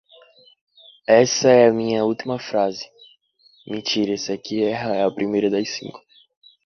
Esta é minha última frase